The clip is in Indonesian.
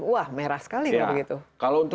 wah merah sekali ya begitu